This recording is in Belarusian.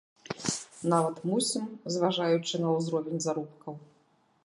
Нават мусім, зважаючы на ўзровень заробкаў.